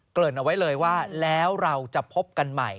ริ่นเอาไว้เลยว่าแล้วเราจะพบกันใหม่